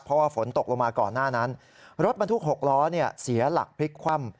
เพราะว่าฝนตกลงมาก่อนหน้านั้นรถบรรทุก๖ล้อเสียหลักพลิกคว่ำ